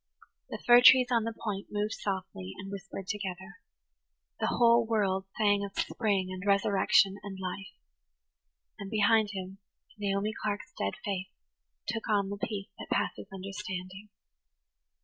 The fir trees on the point moved softly and whispered together. The whole world sang of spring and resurrection and life; and behind him Naomi Clark's dead face took on the peace that passes understanding.